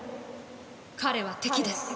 彼は敵です。